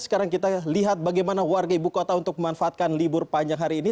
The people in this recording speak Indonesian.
sekarang kita lihat bagaimana warga ibu kota untuk memanfaatkan libur panjang hari ini